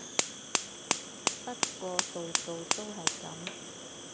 不過度度都係噉